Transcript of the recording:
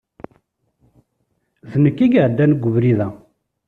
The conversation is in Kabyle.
D nekk i iɛeddan g ubrid-a.